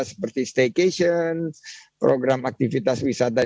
seperti staycation program aktivitas wisata